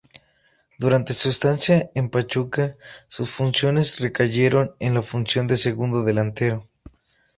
Durante su estancia en Pachuca sus funciones recayeron en la función de segundo delantero.